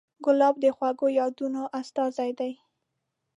ګلاب د خوږو یادونو استازی دی.